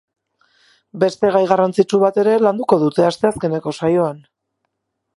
Beste gai garrantzitsu bat ere landuko dute asteazkeneko saioan.